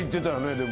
でも。